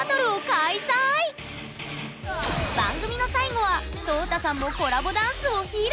番組の最後はＳＯＴＡさんもコラボダンスを披露！